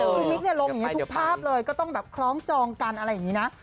คือมิ๊กลงอย่างนี้ทุกภาพเลยก็ต้องแบบคล้องจองกันอะไรอย่างนี้นะ